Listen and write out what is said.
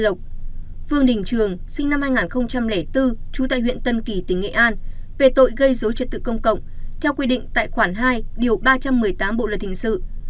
cơ quan điều tra đã ra quyết định khởi tố và bắt bị can để tạm giam đối với phạm đức hải sinh năm một nghìn chín trăm chín mươi chín trú tại huyện tân kỳ tỉnh nghệ an về tội gây dối trật tự công cộng theo quy định tại khoản hai điều ba trăm một mươi tám bộ luật hình sự